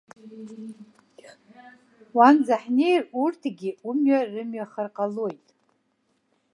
Уанӡа ҳнеир, урҭгьы, умҩа рымҩахар ҟалоит.